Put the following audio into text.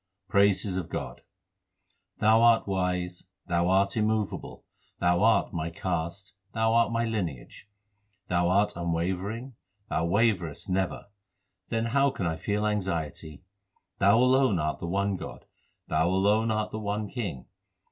Praises of God : Thou art wise, Thou art immovable, Thou art my caste, Thou art my lineage. Thou art unwavering, Thou waverest never ; then how can I feel anxiety ? Thou alone art the one God ; Thou alone art the one King.